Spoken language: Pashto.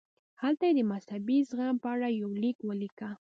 هلته یې د مذهبي زغم په اړه یو لیک ولیکه.